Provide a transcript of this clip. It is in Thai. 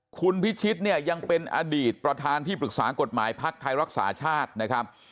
คุณพิชิตเนี่ยยังเป็นอดีตประธานที่ปรึกษากฎหมายภักดิ์ไทยรักษาชาตินะครับ